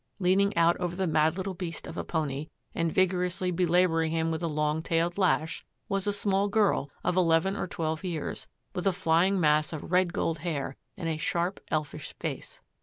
Leaning out over the mad little beast of a pony and vigorously belabouring him with a long tailed lash was a small girl of eleven or twelve years, with a flying mass of red gold hair and a sharp, elfish face.